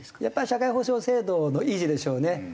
やっぱり社会保障制度の維持でしょうね。